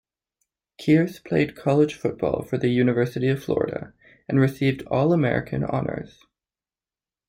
Kearse played college football for the University of Florida, and received All-American honors.